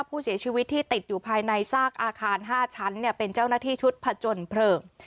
ผู้เสียชีวิตที่ติดอยู่ภายในซากอาคาร๕ชั้นเป็นเจ้าหน้าที่ชุดผจญเพลิง